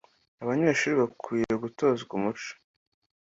abanyeshuri bakwiye gutozwa umuco